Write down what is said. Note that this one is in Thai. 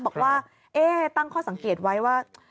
บอกว่าตั้งข้อสังเกตไว้ว่า